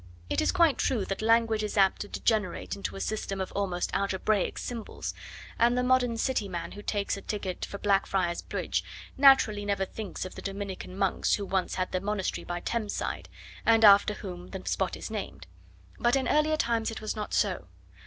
It is quite true that language is apt to degenerate into a system of almost algebraic symbols, and the modern city man who takes a ticket for Blackfriars Bridge, naturally never thinks of the Dominican monks who once had their monastery by Thames side, and after whom the spot is named. But in earlier times it was not so.